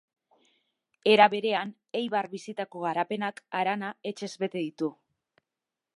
Era berean, Eibar bizitako garapenak harana etxez bete ditu.